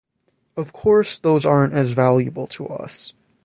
Of course those aren't as valuable to us.